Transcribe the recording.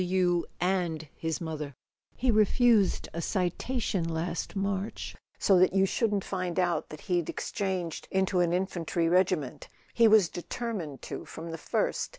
"You and his mother: he refused a citation last March so that you shouldn't find out that he'd ex¬ changed into an infantry regiment. He was determined to from the first.